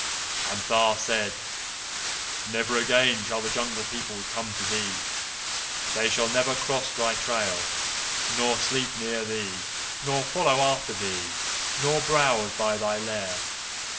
"And Tha said: 'Never again shall the Jungle Peoples come to thee. They shall never cross thy trail, nor sleep near thee, nor follow after thee, nor browse by thy lair.